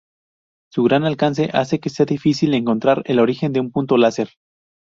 Su gran alcance hace que sea difícil encontrar el origen de un punto láser.